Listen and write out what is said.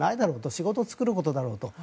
仕事を作ることだろう